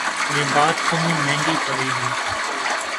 یہ بات تمہیں مہنگی پڑے گی